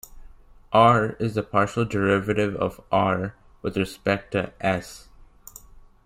"R" is the partial derivative of "R" with respect to "s".